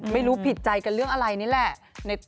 ไม่รู้ผิดใจกันเรื่องอะไรนี่แหละ